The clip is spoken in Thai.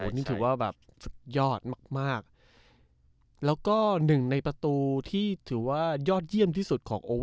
นี่ถือว่าแบบสุดยอดมากมากแล้วก็หนึ่งในประตูที่ถือว่ายอดเยี่ยมที่สุดของโอ